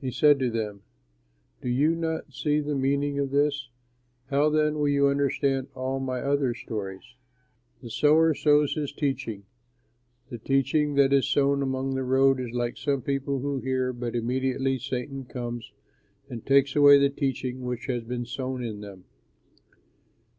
He said to them, "Do you not see the meaning of this? How then will you understand all my other stories? The sower sows his teaching. The teaching that is sown along the road is like some people who hear but immediately Satan comes and takes away the teaching which has been sown in them.